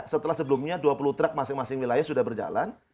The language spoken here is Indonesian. setelah sebelumnya dua puluh truk masing masing wilayah sudah berjalan